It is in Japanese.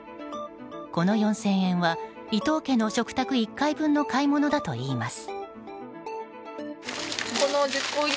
この４０００円は、伊藤家の食卓１回分の買い物だといいます。